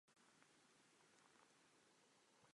Tento postup je dnes dobře znám jako fronta úloh.